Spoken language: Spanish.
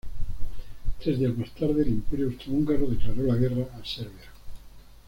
Tres días más tarde el Imperio Austro-Húngaro declaró la guerra a Serbia.